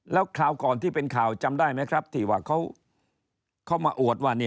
แล้วคราวก่อนที่เป็นข่าวจำได้ไหมครับที่ว่าเขามาอวดว่า